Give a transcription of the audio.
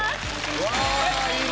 うわいいな。